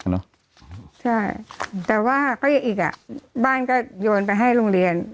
ใช่แต่ว่าก็อีกอ่ะบ้านก็โยนไปให้โรงเรียน